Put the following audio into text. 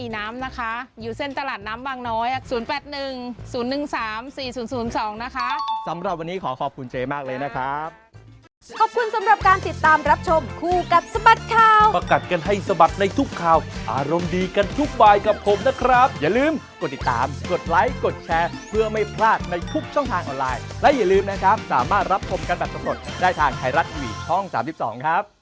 ๐๑๓๔๐๐๒นะคะสำหรับวันนี้ขอขอบคุณเจ๊มากเลยนะครับ